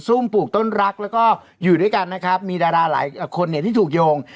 ุ่มปลูกต้นรักแล้วก็อยู่ด้วยกันนะครับมีดาราหลายคนเนี่ยที่ถูกโยง